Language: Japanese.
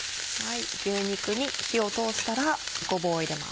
牛肉に火を通したらごぼうを入れます。